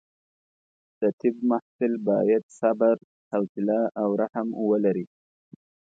د طب محصل باید صبر، حوصله او رحم ولري.